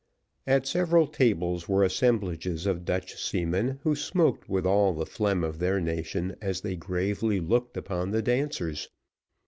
At several tables were assemblages of Dutch seamen, who smoked with all the phlegm of their nation, as they gravely looked upon the dancers.